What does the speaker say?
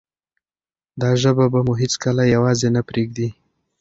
دا ژبه به مو هیڅکله یوازې نه پریږدي.